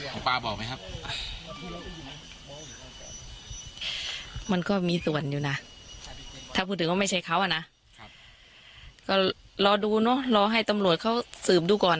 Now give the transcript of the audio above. หมอปลาบอกไหมครับมันก็มีส่วนอยู่นะถ้าพูดถึงว่าไม่ใช่เขาอ่ะนะก็รอดูเนอะรอให้ตำรวจเขาสืบดูก่อน